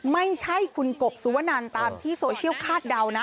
ไม่ใช่คุณกบสุวนันตามที่โซเชียลคาดเดานะ